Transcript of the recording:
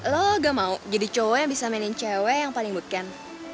lo gak mau jadi cowok yang bisa mainin cewek yang paling weekend